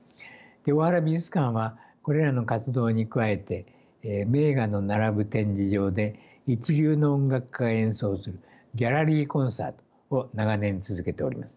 大原美術館はこれらの活動に加えて名画の並ぶ展示場で一流の音楽家が演奏するギャラリーコンサートを長年続けております。